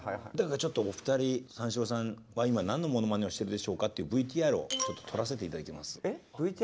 ちょっとお二人三四郎さんは今何のものまねをしてるでしょうかっていうＶＴＲを撮らせて頂いてます。